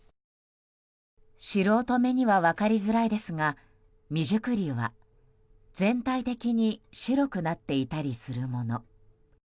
素人目には分かりづらいですが未熟粒は全体的に白くなっていたりするもの。